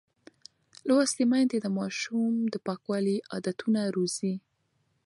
لوستې میندې د ماشوم د پاکوالي عادتونه روزي.